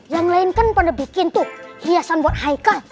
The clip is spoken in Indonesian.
yang lain kan pada bikin tuh hiasan buat haikal